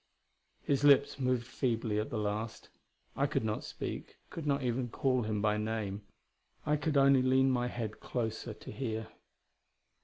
His lips moved feebly at the last. I could not speak; could not even call him by name; I could only lean my head closer to hear.